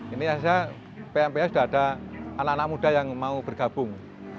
ini hasilnya pmps sudah ada anak anak muda yang mau bergabung